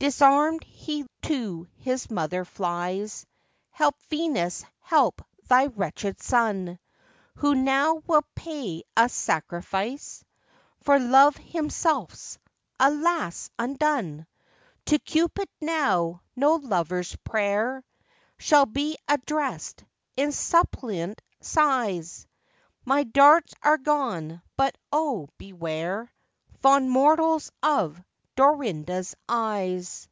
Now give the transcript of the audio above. Disarm'd, he to his mother flies; Help, Venus, help thy wretched son! Who now will pay us sacrifice? For Love himself's, alas! undone. To Cupid now no lover's prayer Shall be address'd in suppliant sighs; My darts are gone, but, oh! beware, Fond mortals, of Dorinda's eyes!